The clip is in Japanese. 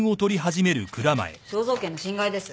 肖像権の侵害です。